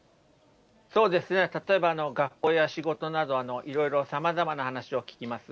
そうですね、例えば学校や仕事など、いろいろさまざまな話を聞きます。